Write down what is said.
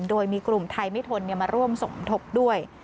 โดยมีกลุ่มไทยไม่ทนมาร่วมสมทบด้วย